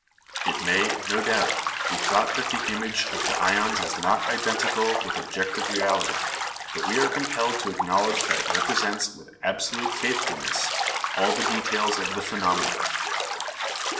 It may, no doubt, be thought that the image of the ions is not identical with objective reality, but we are compelled to acknowledge that it represents with absolute faithfulness all the details of the phenomena.